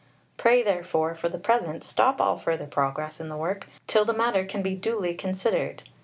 Pray, therefore, for the present, stop all further progress in the work till the matter can be duly considered."